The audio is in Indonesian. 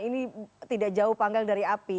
ini tidak jauh panggang dari api